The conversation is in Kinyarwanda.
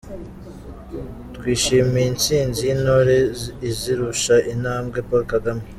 twishimiye intsinzi y'Intore izirusha intambwe, Paul Kagame".